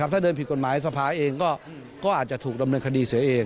ถ้าเดินผิดกฎหมายสภาเองก็อาจจะถูกดำเนินคดีเสียเอง